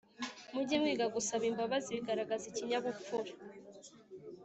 Mujye mwiga gusaba imbabazi bigaragaza ikinyabupfura